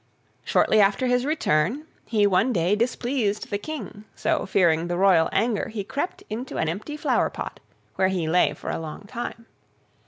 Shortly after his return, he one day displeased the King, so, fearing the royal anger, he crept into an empty flower pot, where he lay for a long time.